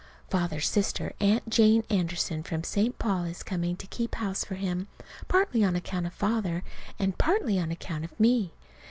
Father's sister, Aunt Jane Anderson, from St. Paul, is coming to keep house for him, partly on account of Father, and partly on account of me.